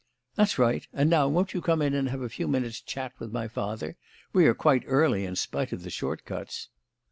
"That's right; and now won't you come in and have a few minutes' chat with my father? We are quite early, in spite of the short cuts."